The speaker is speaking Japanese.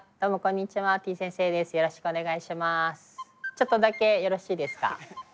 ちょっとだけよろしいですか？